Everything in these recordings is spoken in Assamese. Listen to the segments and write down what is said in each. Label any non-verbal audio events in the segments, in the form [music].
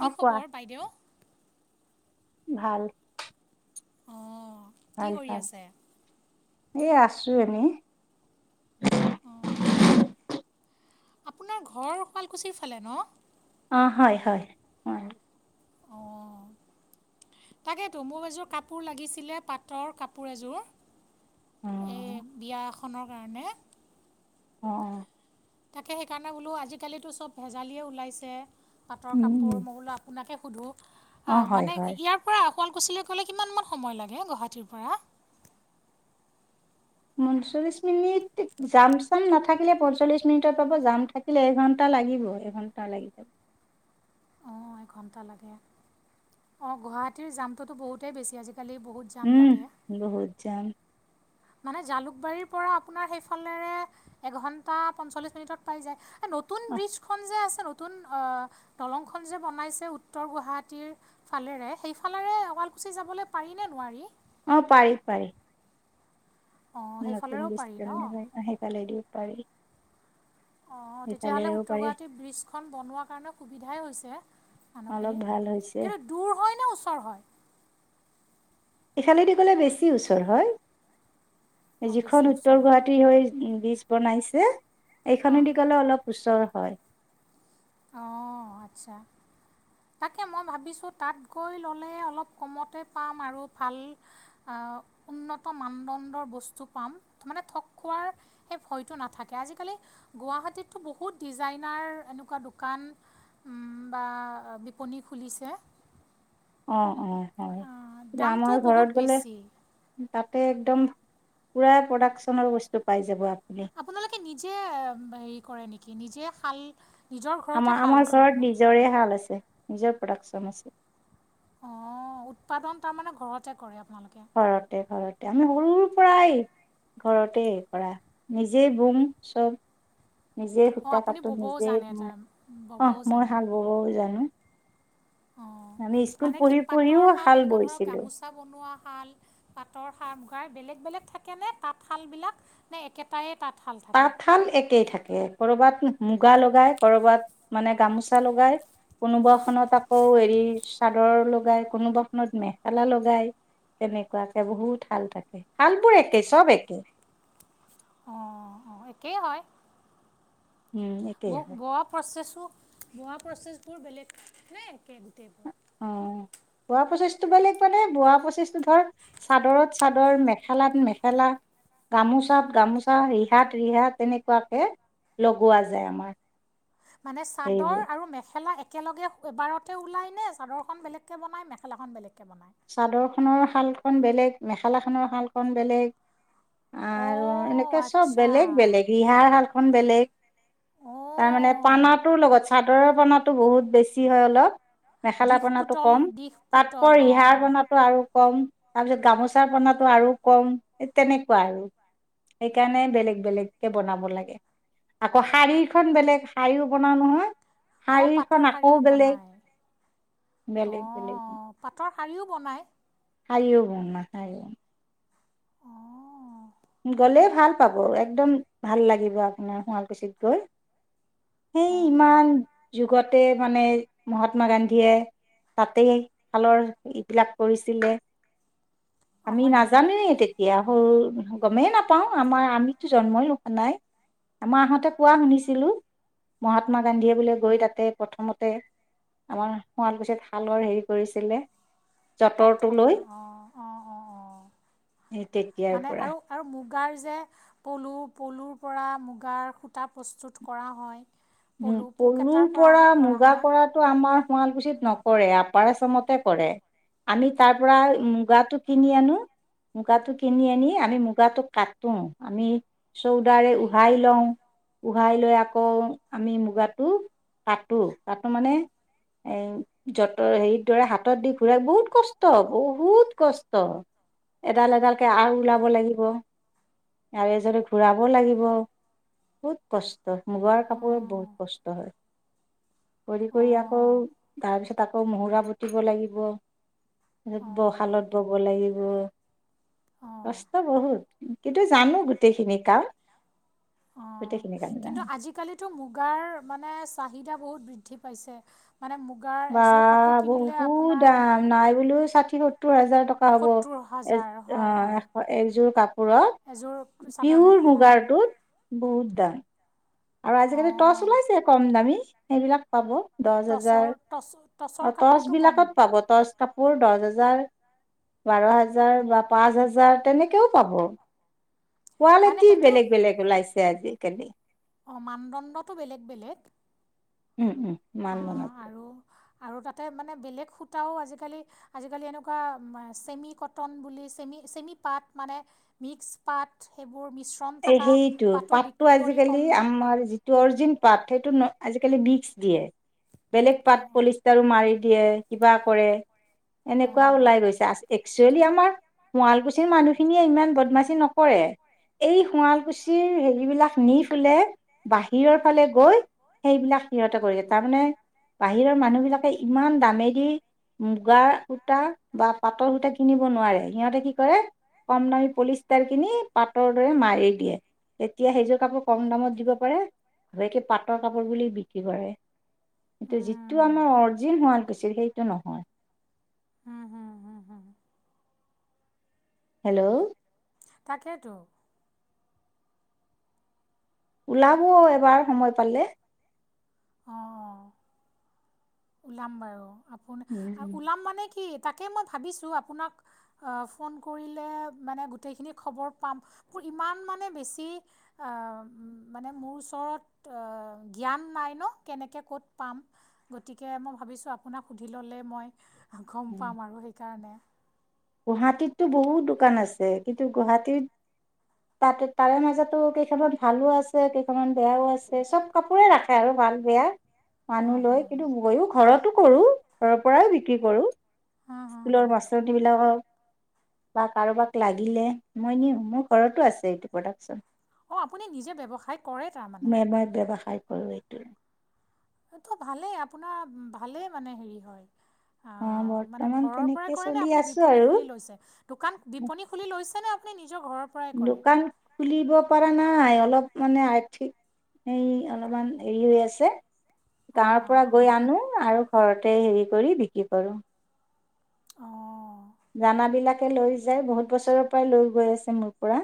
কি অ কোৱা খবৰ বাইদেউ? ভাল অঁ কি ভাল কৰি ভাল আছে? এই আছোঁ এনেই। অঁ আপোনাৰ ঘৰ শুৱালকুছিৰ ফালে ন'? অ' হয় হয়, হয়। অ'। তাকেইতো, মোৰ এযোৰ কাপোৰ লাগিছিলে পাটৰ কাপোৰ এযোৰ। অ এই বিয়া এখনৰ কাৰণে। অ', অ'। তাকে সেইকাৰণে বোলো আজিকালিতো চব ভেজালিয়ে ওলাইছে, পাটৰ উম কাপোৰ, মই বোলো আপোনাকে সুধো। অ হয় মানে হয় ইয়াৰ পৰা শুৱালকুছিলৈ গ'লে কিমানমান সময় লাগে, গুৱাহাটীৰ পৰা। পঞ্চল্লিশ মিনিট, যাম চাম নাথাকিলে পঞ্চল্লিশ মিনিটত পাব, যাম থাকিলে এঘণ্টা। লাগিবই, এঘন্টা লাগি যায়। অ' এঘন্টা লাগে। অ' গুৱাহাটীৰ জামটোতো বহুতেই বেছি আজিকালি। বহুত জাম উম, লাগে বহুত যাম। মানে জালুকবাৰীৰপৰা আপোনাৰ সেইফালেৰে এঘন্টা পঞ্চল্লিশ মিনিটত পাই যায়। সেই নতুন অ ব্ৰিজখন যে আছে। নতুন অ' দলংখন যে বনাইছে উত্তৰ গুৱাহাটীৰ, ফালেৰে সেইফালেৰে শুৱালকুছি যাবলৈ পাৰি নে নোৱাৰি? অ' পাৰি পাৰি। অঁ নতুন সেইফালেৰেও পাৰি ন ব্ৰিজখন যে, অ' সেইফালেদি পাৰি। অ' তেতিয়াহ'লে সেইফালেৰেও উত্তৰ পাৰি গুৱাহাটী ব্ৰিজখন বনোৱাৰ কাৰণে সুবিধাই হৈছে। অলপ মানুহখিনিৰ। ভাল হৈছে কিন্তু দূৰ হয় নে ওচৰ হয়? এইফালেদি গ'লে বেছি ওচৰ হয়। অঁ বেছি যিখন উত্তৰ ওচৰ গুৱাহাটীহৈ বীজ বনাইছে? অঁ এইখনেদি গ'লে অলপ ওচৰ হয়। অ' আচ্ছা। তাকে মই ভাবিছোঁ তাত গৈ ললে অলপ কমতে পাম আৰু ভাল উন্নত মানদণ্ডৰ বস্তু পাম। মানে ঠগখোৱাৰ সেই ভয়টো নাথাকে আজি গুৱাহাটীতটো বহুত ডিজাইনাৰ এনেকুৱা দোকান বা বিপণী খুলিছে। অ', অ' হয়। দামটো আমাৰ বহুত ঘৰত গ'লে বেছি তাতে একদম পুৰা প্ৰডাকচনৰ বস্তু পাই যাব আপ আপোনালোকে নিজে হেৰি কৰে নেকি নিজে খাল আমাৰ আমাৰ ঘৰত নিজৰে শাল আছে, নিজৰ প্ৰডাকচন আছে। অ' উৎপাদন তাৰমানানে ঘৰতে কৰে? আপোনালোকে ঘৰতে ঘৰতে। আমি সৰু বাই ঘৰতেই কৰা। নিজেই বম চব নিজেই অঁ সুতা আপুনি কাটো, ব'বও জানে নিজেই তাৰ অ' ব'বও মই জানে হাল বব' জানো। আমি অ' স্কুল মানে কি পঢ়ি পাতৰ পঢ়িও শাল, এনেকুৱা ধৰক বৈছিলো গামোচা বনোৱা শাল, পাতৰ শাল বেলেগ বেলেগ থাকে নে তাঁতশালবিলাক নে একেটায়ে তাঁত তাঁতশাল একেই থাকে, ক'ৰবাত মুগা লগাই ক'ৰবাত মানে গামোচা লগাই। কোনোবাখনত আকৌ হেৰি চাদৰ লগাই, কোনোবাখনত মেখেলা লগাই। তেনেকুৱাকে বহুত শাল থাকে। হালবোৰ একে চব একে। অঁ অঁ একেই হয়। উম একেই হয় ব-বোৱা প্ৰচেছটো বোৱা প্ৰচেছবোৰ বেলেগ নে একে? গোটেইবোৰ অ' বোৱা প্ৰচেছ বেলেগ মানে বোৱা প্ৰচেছটো ধৰ চাদৰত চাদৰ, মেখেলাত মেখেলা। গামোচাত গামোচা, ৰিহাত ৰিহাত তেনেকুৱাকে লগোৱা যায় আমাৰ। মানে চাদৰ হেৰিবোৰ আৰু মেখেলা এক একেলগে এবাৰতে ওলায় নে চাদৰখন বেলেগকৈ বনায়, মেখেলাখন বেলেগকৈ বনায় চাদৰখনৰ শালকণ বেলেগ, মেখেলাখনৰ শালকণ বেলেগ। আৰু অ' এনেকে চব আচ্ছা বেলেগ বেলেগ ৰিহাৰ শালখন বেলেগ তাৰমানানে অ' পানাটোৰ লগত চাদৰৰ পানাো বহুত বেছি হয় অলপ মেখেলা দিশ পনাটো পুতল কম দিশ পুতল তাতকৈ অ', ৰিহাৰ অ' আৰু পনাটো কম তাৰ পিছত গামোচা বনাতো আৰু কম তেনেকুৱা আৰু সেইকাৰণে বেলেগ বেলেগকে বনাব লাগে। আকৌ শাৰীখন বেলেগ, শাৰীও বনাও নহয়। অ, শাৰীখন পাটৰ আকৌ শাৰীও বেলেগ বনাই, অ, বেলেগ বেলেগ পাটৰ শ শাৰিও বনায়? শাৰীও বনাও [unintelligible] অঁ গ'লে ভাল পাব, একদম ভাল লাগিব আপোনাৰ শুৱালকুছিত গৈ। সেই অঁ ইমান যুগতে মানে, মহাত্মা গান্ধীয়ে তাতেই, শালৰ এইবিলাক কৰিছিলে। অঁ আমি হয় নেকি নাজানেই তেতিয়া সৰু গমেই নাপাওঁ, আমাৰ আমিতো জন্মই হোৱাই নাই। মাহঁতে কোৱা শুনিছিলোঁ, মহাত্মা গান্ধীয়ে বোলে গৈ তাতে প্ৰথমতে আমাৰ শুৱালকুছিত শালৰ হেৰি কৰিছিলে যঁতৰটো লৈ তাঁতশালৰ, অ, ' অ', অ', অ', সেই তেতিয়াৰ মানে পৰা আৰু আৰু মুগাৰ যে, পলু-পলুৰ পৰা মুগাৰ সূতা প্ৰস্তুত কৰা হয়। উম, পলু পোক পলুৰ এটাৰ পৰা পৰাহে কৰা মুগা হয় কৰাটো আমাৰ শুৱালকুছিত নকৰে, আপাৰ আচামতে কৰে। আমি তাৰ পৰা মুগাটো কিনি আনো মুগাটো কিনি আনি আমি মুগাটো কাটো, আমি চৌদাৰে উহাই লওঁ। ওহাই লৈ আকৌ আমি মুগাটো কটো, কটো মানে এ যতৰ হেৰিৰ দৰে হাতত দি ঘুৰা বহুত কষ্ট কষ্ট বহুত কষ্ট, এডাল এডালকে আহ ওলাব লাগিব। আৰু এজৰটো ঘূৰাব লাগিব, বহুত কষ্ট মুগাৰ কাপোৰ ৰত অঁ বহুত কষ্ট হয়। কৰি কৰি আকৌ, অঁ তাৰপিছত আকৌ মহুৰা পুতিব লাগিব। ব অঁ শালত ব, ব লাগিব, অঁ কষ্ট বহুত। টো জানো গোটেইখিনি কাম, গোটেইখিনি কাম জানো। গাৰ মানে চাহিদা বহুত বৃদ্ধি পাইছে। মানে মুগাৰ বা, এযোৰ কাপোৰ কিনিলে বহুত আপোনাৰ দাম নাই বোলো ষাঠি সত্তৰ ত্তৰ হাজাৰ টকা হ'ব। সত্তৰ এজ হাজাৰ অ, হয় হয় এশ এযোৰ কাপ এযোৰ পোৰত। চাদৰ পিঔৰ মেখেলাত মুগাৰটোত বহুত দাম। আৰু আজিকালি টৰ্চ অঁ ওলাইছে কম দামী, সেইবিলাক পাব। দহ টচৰ হেজাৰ, টচ টচৰ অ, কাপোৰটো কম টৰ্চবিলাকত পাব, টৰ্চ কাপোৰ দহ হেজাৰ বাৰ হাজাৰ বা পাঁচ হাজাৰ তেনেকেও পাব। মানে কোৱালিটি বেলেগ বেলেগ ওলাইছে আজিকালি। অ, মানদণ্ডটো বেলেগ বেলেগ। উম উম অ' মান বনাটো আৰু আৰু তাতে মানে বেলেগ সূতাও আজিকালি আজিকালি এনেকুৱা চেমি কটন বুলি চেমি চেমি পাত মানে, মিক্স পাত সে এ, সেইটো পাতটো কৰি আজিকালি কম আমাৰ যিটো অৰিজিন পাত- সেইটো আজিকালি বি্স দিয়ে, বেলেগ পাত পলিষ্টাৰো মাৰি দিয়ে, কিবা কৰে। এনেকুৱা ওলাই গৈছে, একচুৱেলি আমাৰ শুৱালকুছিৰ মানুহখিনিয়ে ইমান বদমাচি নকৰে এই শুৱালকুছিৰ হেৰিবলাক নি পলে, বাহিৰৰ ফালে গৈ সেইবিলাক সিহঁতে কৰিলে তাৰমানে বাহিৰৰ মানুহ বিলাকে ইমান দামেদি মুগাৰ সূতা বা পাতৰ সূতা কিনিব নোৱাৰে সিহঁতে কি কৰে কম দামী পলিচতাৰ কিনি পাটৰ দৰে মাৰ দিয়ে, তেতিয়া সেইযোৰ কাপোৰ কম দামত দিব পাৰে তকে পাটৰ কাপোৰ বুলি বিক্ৰী অঁ কৰে। যিটো আমাৰ অৰিজিন শুৱালকুছিৰ সেইটো নহয়। উম, হম, হম, হম। হেল্ল'। তাকেইেতো। ওলাব এবাৰ সময় পালে। অ', অ',। ওলাম বাৰু, আপুনি ওলাম মানে কি? তাকে মই ভাবিছোঁ, আপোনাক ফোন কৰিলে মানে গোটেইখিনি খবৰ পাম। ইমান মানে বেছি মানে মোৰ ওচৰত জ্ঞান নাই ন তো কেনেকে ক'ত কি পাম গতিকে গতিকে মই ভাবিছোঁ আপোনাক সুধি ল'লেই মই গম পাম আৰু সেইকাৰণে গুৱাহাটীততো বহুত দোকান আছে কিন্তু গুৱাহাটীত তাতে তাৰে মাজতো কেইখনমান ভালো আছে কেইখনমান বেয়াও আছে চব কাপোৰে ৰাখে আৰু ভাল বেয়া হা মানুহ হা লয়, হা কিন্তু মইও ঘৰত কৰো ঘৰৰ পৰাই বিক্ৰী কৰোঁ হা হা স্কুলৰ হা। মাষ্টাৰ তিনি বা কাৰোবাক লাগিলে মই নিওঁ মোৰ ঘৰতো আছে এইটো প্ৰডাকচন। অ', আপুনি নিজে ব্যৱসায় কৰে তাৰমানে। আৰু এইটো এইটো ভালেই আপোনাৰ ভালে মানে হেৰি হয়। উম। অ', মানে ঘৰৰ পৰাই কৰে নে আপুনি বিপণী খুলি লৈছে, দোকান বিপনী খুলি লৈছে নে আপুনি নিজৰ ঘৰৰ পৰাই কৰে দোকান খুলিব পৰা নাই অলপ মানে আৰ্থিক হেই অলপমান হেৰি হৈ আছে অঁ গাঁৱৰ অঁ পৰা অঁ গৈ আনো আৰু ঘৰতে হেৰি কৰি বিক্ৰী কৰোঁ। অ'। হে লৈ যায় বহুত বছৰৰ পৰাই লৈ গৈ আছে মোৰ পৰা।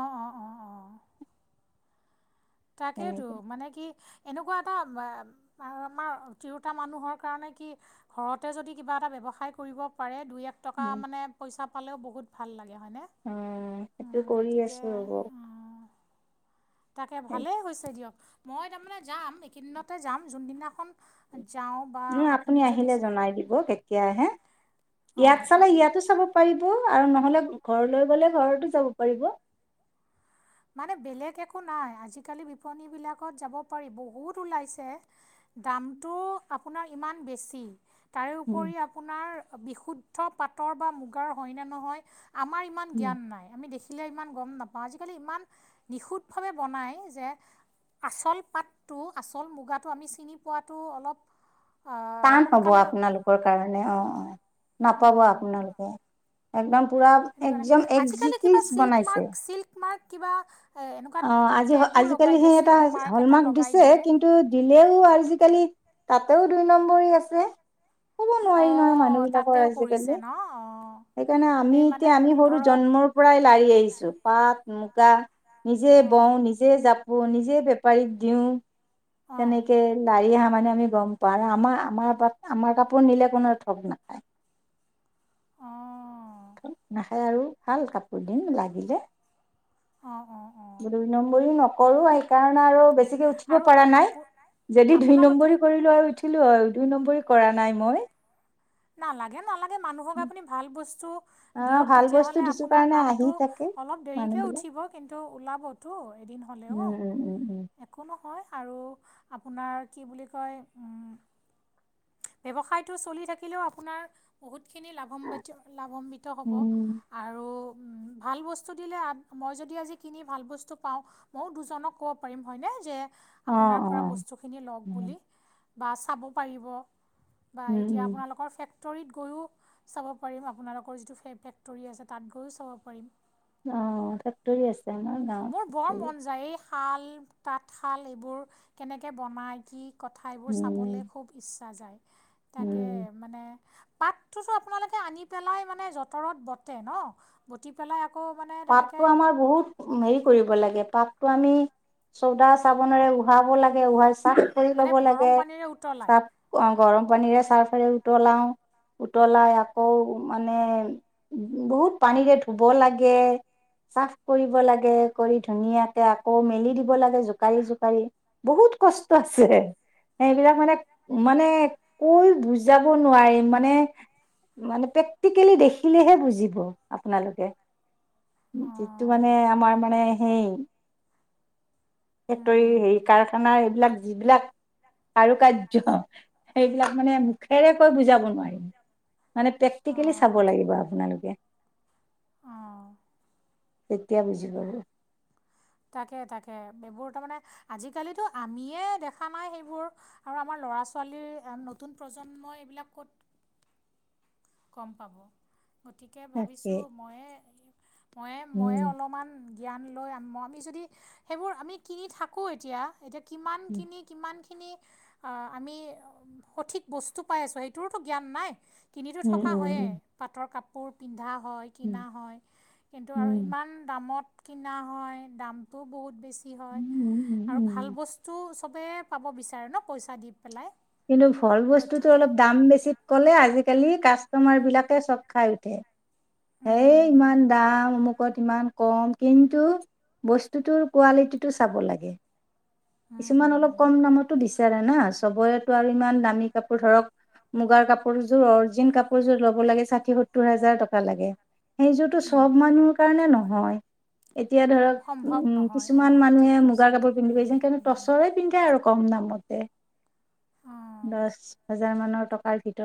অ', অ, ' অ', অ', অ',। তাকেতো এনেকৈ মানে কি এনেকুৱা এটা [unintelligible] তিৰোতা মানুহৰ কাৰণে কি ঘৰতে যদি কিবা এটা ব্যৱসায় কৰিব পাৰে দুই এক টকা মানে পইচা পালেও বহুত ভাল লাগে। এতিয়া হয়নে অঁ সেইটো কৰি গতিকে আছোঁ ৰ'ব উম তাকে ভালেই হৈছে দিয়ক মই তাৰমানে যাম এইকেইদিনতে যাম যোনদিনাখন যাওঁ বা নে আপুনি যদি আহিলে যায়। জনাই দিব কেতিয়া আহে? ইয়াত অঁ চালে তাকে ইয়াতো চাব পাৰিব আৰু ন নহলে ঘৰলৈ গ'লে ঘৰটো যাব পাৰিব। মানে বেলেগ একো নাই আজিকালি বিপণী বিলাকত যাব পাৰি বহুত ওলাইছে। দামটো আপোনাৰ ইমান বেছি। তাৰ উপৰি আপোনাৰ বিশুদ্ধ পাটৰ বা মুগাৰ হয়নে নহয় আমাৰ ইমান জ্ঞান নাই, আমি দেখিলে ইমান গম নাপাওঁ, আজিকালি ইমান নিখুঁতভাৱে বনাই যে আচল পাটটো আচল মুগাটো আমি চিনি পোৱাটো অলপ টান হব সোনকালে আপোনালোকৰ কাৰণে অ', অ', নাপাব অঁ, আপোনালোকে একদম পূৰা সেইটো কাৰণে একদম আজিকালি একজিটিভ কিবা চিল্ক বনাইছে মাৰ্ক চিল্কমাৰ্ক কিবা এ এনেকুৱা অ', আজি টেগো লগাই আজিকালি দিয়ে সেই এটা চিল্ক মাৰ্ক এটা হলমাৰ্ক লগাই দিছে দিয়ে কিন্তু দিলেও আজিকালি তাতেও দুই নম্বৰী আছে। ক'ব নোৱাৰি নহয় অঁ মানুহবিলাকৰ তাতেও কৰিছে আজিকালি ন অঁ সেইকাৰণে আমি সেই মানে এতিয়া আমি সৰু জন ধৰক জন্মৰ পৰাই লাৰি আহিছো পাট, মুগা নিজে অঁ বওঁ নিজে জাপো নিজে - নিজে বেপাৰীক দিও অঁ তেনেকে লাৰি অহা মানে আমি গম পাওঁ আৰু আমাৰ আমাৰ আমাৰ কাপোৰ নিলে কোনো ঠগ নাই। হয়। [inaudible] নাখায় আৰু ভাল কাপোৰ দিম লাগিলে। অঁ অঁ অঁ শ দুই নম্বৰিও নকৰো এহইকাৰণে আৰু বেছি - [unintelligible] উঠিব আৰু পৰা নাই আপো যদি দুই আপোনালোকে নম্বৰ কৰিলো হয় উঠিলো হয়। দুই নম্বৰী কৰা নাই মই নালাগে নালাগে মানুহক আপুনি ভাল বস্তু - আহ দিয়ক ভাল বস্তু তেতিয়াহলে দিছো আপোনাৰ কাৰণে আহি নামটো থাকে অলপ দেৰিকে মানুহ উঠিব কিন্তু ওলাবতো এদিন - উ- উ - উ-উ হয় আৰু আপোনাৰ কি বোলি কয় উ, - ব্যৱসায়টো চলি থাকিলেও আপোনাৰ বহুত - খিনি লাভাবিত লাভান্বিত হ'ব উম উম আৰু - ভাল বস্তু দিলে আপ মই যদি আজি কিনি ভাল বস্তু পাওঁ ময়ো দুজনক ক'ব পাৰিম হয়নে - অ অ আপোনাৰপৰা বস্তুটোখিনি ল ওক উম বোলি বা চাব পাৰিব। বা উম এতিয়া উম আপোনালোকৰ চেক ফেক্টৰীত গৈয়ো চাব পাৰিম আপোনালোকৰ যিটো ফে ফেক্টৰী আছে তাত গৈয়ো চাব পাৰিম। অ ফেক্টৰী আছে আমাৰ গাঁৱত মোৰ বৰ ফেক্টৰী মন যায়ে - শাল তাঁতশাল এইবোৰ কেনেকৈ বনায় কি কথা এইবোৰ উম চাবলৈ খুব ইচ্ছা যায় তাকে উম মানে পাতটোযে আপোনালোকে আনি পেলাই মানে জতৰত বটে ন বটি পেলাই আকৌ মানে তেনেকৈ পাতটো আমাৰ বহুত হেৰি কৰিব লাগে পাততটো আমি চৌদা চাবনেৰে উহাব লাগে উহাই চাৰ্ফ কৰি মানে ল'ব গৰম লাগে পানীৰে উতলাই চাৰ্ফ গৰম পানীৰে চাৰ্ফ উতলাও উতলাই আকৌ মানে বহুত পানীৰে ধুব লাগে চাফ কৰিব লাগে কৰি ধুনীয়াকে আকৌ মেলি দিব লাগে জোকাৰি জোকাৰি বহুত বহুত কষ্ট আছে সেইবিলাক মানে মানে কৈ বুজাব নোৱাৰিম মানে মানে প্ৰেক্টিকেলি দেখিলেহে বুজিব আপোনালোকে যিটো অঁ মানে আমাৰ মানে সেই হুম ফেক্টৰী হুম হুম হেৰি কাৰখানা এইবিলাক যিবিলাক কাৰু কাৰ সেইবিলাক মানে মুখেৰে কৈ বুজাব নোৱাৰিম মানে পেক্টিকেলি অঁ চাব লাগিব আপোনালোকে অঁ তেতিয়া বুজি পাব তাকে তাকে এইবোৰ তাৰমানে আজিকালিতো আমিয়ে দেখা নাই সেইবোৰ আৰু আমাৰ ল'ৰা ছোৱালীৰ নতুন প্ৰজন্মই এইবিলাক ক'ত কম পাব গতিকে তাকে ভাবিছো ময়ে মইে মইয়ে উম। অলপমান জ্ঞান লৈ ম আমি যদি সেইবোৰ আমি কিনি থাকোঁ এতিয়া এতিয়া কিমান উম কিনি কিমান আমি সঠিক বস্তু পাই আছোঁ সেইটোতো জ্ঞান নাই কিনিতো উম থকা উম হয়েই উম। পাটৰ কাপোৰ পিন্ধা হয় কিনা হয় কিন্তু আৰু উম। ইমান দামত কিনা হয় দামটো বহুত বেছি হয় উম উম আৰু ভাল উম বস্তু সবে পাব বিচাৰে ন পইচা দি পেলাই কিন্তু ভাল বস্তুতো অলপ দাম বেছি কলে আজিকালি কাস্তমাৰ বিলাকে চক খাই উঠে হেই ইমান গতিকে দাম মোক ত ইমান কম কিন্তু বস্তুটোৰ কোৱালিটিটো চাব লাগে। কিছুমান অলপ কম দামতো বিচাৰে না চবৰেতো আৰু ইমান দামী কাপোৰ ধৰক মুগাৰ কাপোৰযোৰ অৰিজিন কাপোৰযোৰ লব লাগে ষাঠি সত্তৰ হাজাৰ টকা লাগে। সেইযোৰতো চব মানুহ কাৰণে নহয়। এতিয়া ধৰক সম্ভৱ উম নহয় কিছুমান অঁ ঠিক মানুহে মুগাৰ কৈছে কাপোৰ পিন্ধি পাইিছে কিণ পিন্ধে আৰু কম দামতে অঁ দহ হাজাৰ মানৰ টকাৰ ভিতৰত